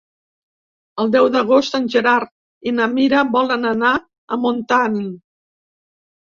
El deu d'agost en Gerard i na Mira volen anar a Montant.